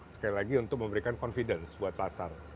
sekali lagi untuk memberikan confidence buat pasar